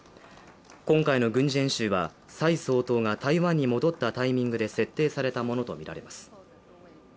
今回の軍事演習は、蔡総統が台湾に戻ったタイミングで設定されたものとみられます。